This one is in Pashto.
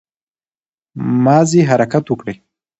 مازې حرکت وکړٸ